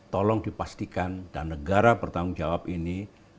tolong dipastikan dan negara bertanggung jawab ini